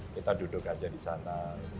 kita duduk aja di sana